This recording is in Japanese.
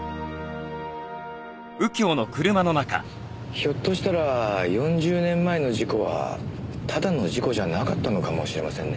ひょっとしたら４０年前の事故はただの事故じゃなかったのかもしれませんね。